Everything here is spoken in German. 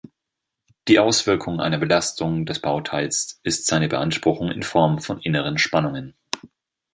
Die Auswirkung einer Belastung des Bauteils ist seine Beanspruchung in Form von inneren Spannungen.